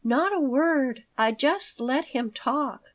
"Not a word. I just let him talk.